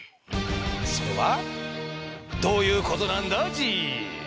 それはどういうことなんだＧ？